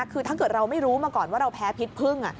คือถ้าเกิดเราไม่รู้มาก่อนว่าเราแพ้พิษพึ่ง